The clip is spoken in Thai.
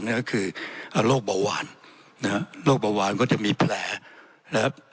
นะฮะคืออ่าโรคเบาหวานนะฮะโรคเบาหวานก็จะมีแผลและ